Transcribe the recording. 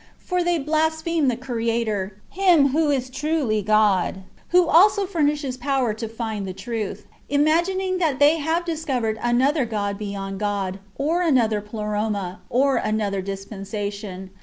For they blaspheme the Creator, Him who is truly God, who also furnishes power to find [the truth] ; imagining that they have discovered another God beyond God, or another Pleroma, or another dispensation.